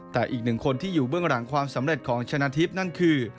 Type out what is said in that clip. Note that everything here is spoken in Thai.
แต่อีกหนึ่งคนที่อยู่เบื้องหลังความสำเร็จของชนะทิพย์นั่นคือ